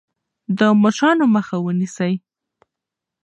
د مچانو مخه ونیسئ.